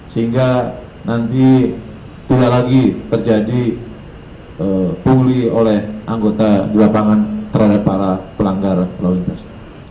sehingga nanti tidak lagi terjadi pungli oleh anggota di lapangan terhadap para pelanggar lalu lintas